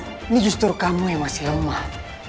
ini justru kamu yang masih lemah